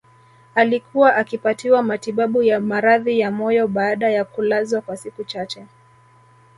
Alikuwa akipatiwa matibabu ya maradhi ya moyo baada ya kulazwa kwa siku chache